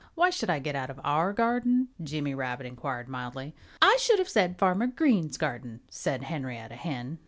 "Why should I get out of our garden?" Jimmy Rabbit inquired mildly. "I should have said, 'Farmer Green's garden,'" said Henrietta Hen.